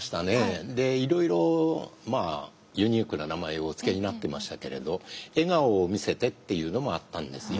でいろいろユニークな名前をお付けになってましたけれどエガオヲミセテっていうのもあったんですよ。